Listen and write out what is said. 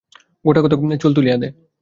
গােটাকতক চুল তুলিয়া দে।